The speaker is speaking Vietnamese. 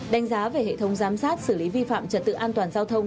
đánh giá về hệ thống giám sát xử lý vi phạm trật tự an toàn giao thông